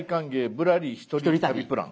ぶらり１人旅プラン」。